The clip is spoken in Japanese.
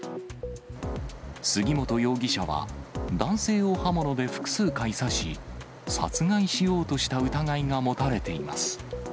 杉本容疑者は、男性を刃物で複数回刺し、殺害しようとした疑いが持たれています。